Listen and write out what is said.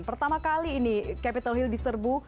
pertama kali ini capital hill diserbu